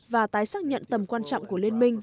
và tái xác nhận tầm quan trọng của liên minh